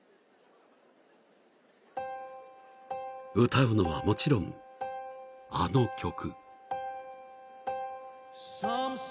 ［歌うのはもちろんあの曲］